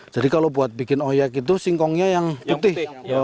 jadi kalau buat bikin ohiak itu singkongnya yang putih